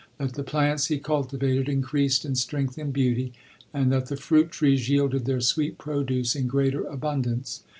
23 that the plants lie cultivated increased in strength and beauty, and that the fruit trees yielded their sweet produce in greater abundance.